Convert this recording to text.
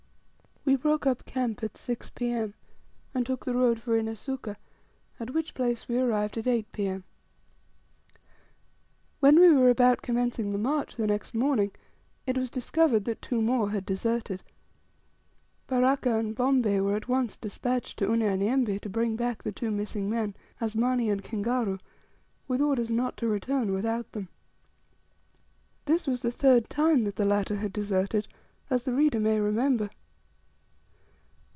We broke up camp at 6 P.M., and took the road for Inesuka, at which place we arrived at 8 P.M. When we were about commencing the march the next morning, it was discovered that two more had deserted. Baraka and Bombay were at once despatched to Unyanyembe to bring back the two missing men Asmani and Kingaru with orders not to return without them. This was the third time that the latter had deserted, as the reader may remember.